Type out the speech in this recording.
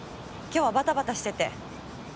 今日はバタバタしてて。